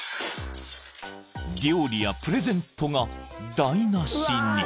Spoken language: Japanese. ［料理やプレゼントが台無しに］